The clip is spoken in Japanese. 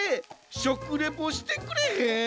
しょくレポしてくれへん？